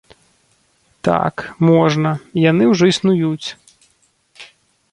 Так, можна, і яны ўжо існуюць.